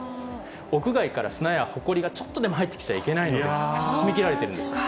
屋外から砂やほこりがちょっとでも入ってきちゃいけないので、閉めきられてるんです。